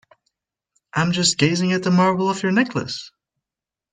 I'm just gazing at the marble of your necklace.